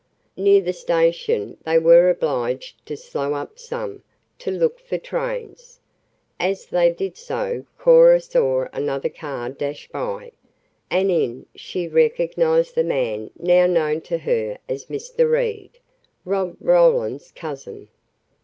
Near the station they were obliged to slow up some to look for trains. As they did so Cora saw another car dash by, and in she recognized the man now known to her as Mr. Reed, Rob Roland's cousin.